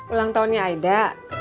ulang tahunnya aida